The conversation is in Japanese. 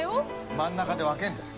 真ん中で分けるんじゃない◆